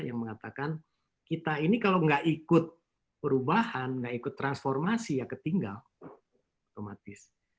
yang mengatakan kita ini kalau nggak ikut perubahan nggak ikut transformasi ya ketinggal otomatis